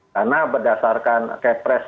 karena berdasarkan kayak press